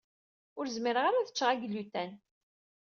Ur zmireɣ ara ad ččeɣ aglutan.